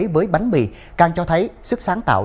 với bánh mì càng cho thấy sức sáng tạo